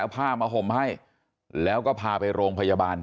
ผ้ามาห่มให้แล้วก็พาไปโรงพยาบาล